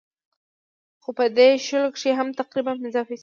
خو پۀ دې شلو کښې هم تقريباً پنځه فيصده